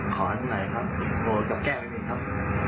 โปรดกับแก้วด้วยครับ